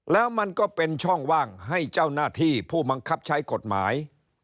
แล้วมันก็เป็นช่องว่างให้เจ้าหน้าที่ผู้บังคับใช้กฎหมาย